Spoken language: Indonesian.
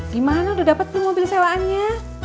gimana udah dapet nih mobil sewaannya